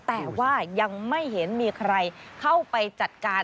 แต่ว่ายังไม่เห็นมีใครเข้าไปจัดการ